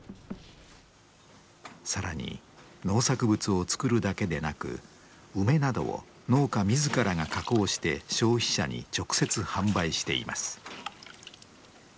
更に農作物を作るだけでなく梅などを農家自らが加工して消費者に直接販売しています。